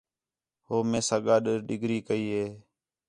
ہو میساں گڈ ڈگری کی ہے